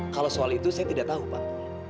kalau soal itu saya tidak tahu pak